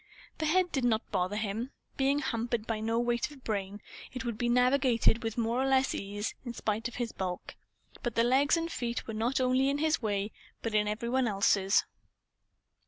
The head did not bother him. Being hampered by no weight of brain, it would be navigated with more or less ease, in spite of its bulk. But the legs and feet were not only in his own way, but in every one else's.